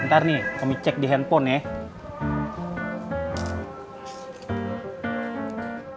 ntar nih kami cek di handphone ya